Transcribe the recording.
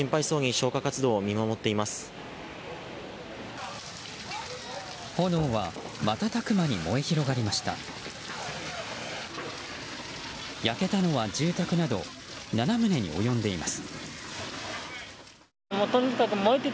焼けたのは住宅など７棟に及んでいます。